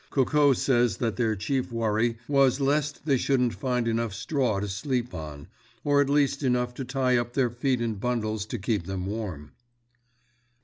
Coco says that their chief worry was lest they shouldn't find enough straw to sleep on, or at least enough to tie up their feet in bundles to keep them warm.